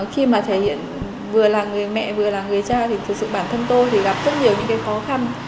khi mà thể hiện vừa là người mẹ vừa là người cha thì thực sự bản thân tôi thì gặp rất nhiều những cái khó khăn